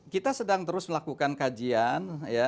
kita sedang terus melakukan kajian